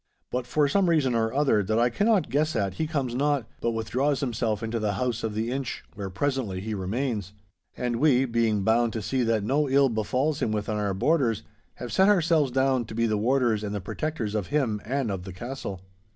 But for some reason or other that I cannot guess at, he comes not; but withdraws himself into the house of the Inch, where presently he remains. And we, being bound to see that no ill befalls him within our borders, have set ourselves down to be the warders and the protectors of him and of the castle.